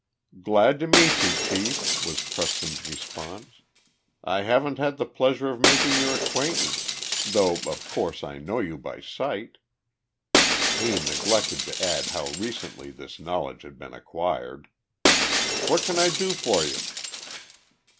"Glad to meet you, Chief," was Preston's response. "I haven't had the pleasure of making your acquaintance, though of course I know you by sight." (He neglected to add how recently this knowledge had been acquired.) "What can I do for you?"